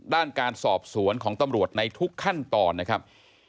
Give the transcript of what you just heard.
ด้านการสอบสวนของตำรวจในทุกขั้นตอนนะครับ